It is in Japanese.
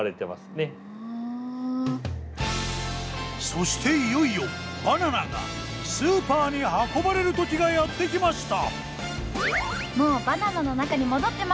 そしていよいよバナナがスーパーに運ばれる時がやって来ました！